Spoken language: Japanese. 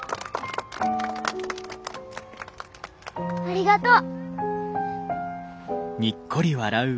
ありがとう。